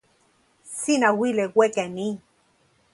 sina wile weka e ni.